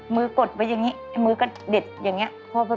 กดไปอย่างนี้มือก็เด็ดอย่างนี้